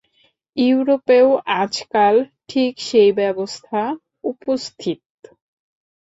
ইউরোপেও আজকাল ঠিক সেই অবস্থা উপস্থিত।